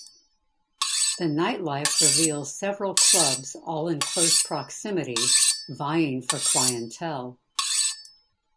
The night life reveals several clubs all in close proximity vying for clientele.